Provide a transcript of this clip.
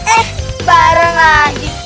eh bareng lagi